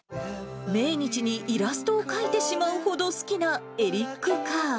命日にイラストを描いてしまうほど好きなエリック・カー。